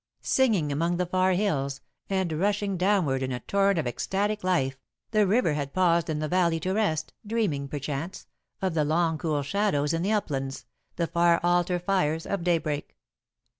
[Sidenote: Pleasures of the Valley] Singing among the far hills, and rushing downward in a torrent of ecstatic life, the river had paused in the valley to rest, dreaming, perchance, of the long cool shadows in the uplands, the far altar fires of daybreak.